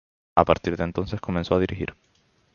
A partir de entonces comenzó a dirigir.